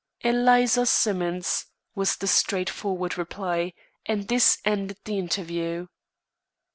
"Eliza Simmons," was the straightforward reply; and this ended the interview.